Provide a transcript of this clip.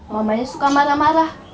mamanya suka marah marah